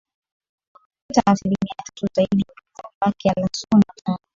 ata aslimia tatu zaidi ya mpinzani wake alasun watara